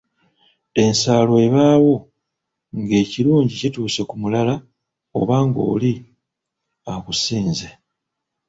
Ensaalwa ebaawo ng'ekirungi kituuse ku mulala oba ng'oli akusinze